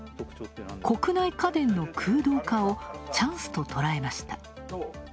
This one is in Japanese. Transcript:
国内家電の空洞化をチャンスと捉えました。